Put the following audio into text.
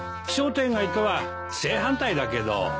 商店街とは正反対だけど。